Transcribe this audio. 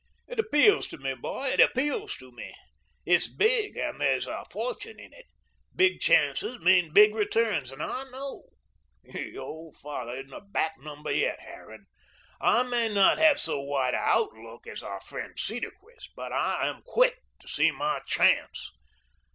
"It appeals to me, boy; it appeals to me. It's big and there's a fortune in it. Big chances mean big returns; and I know your old father isn't a back number yet, Harran I may not have so wide an outlook as our friend Cedarquist, but I am quick to see my chance.